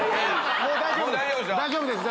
もう大丈夫ですよ。